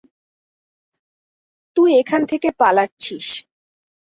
তুই এখান থেকে পালাচ্ছিস।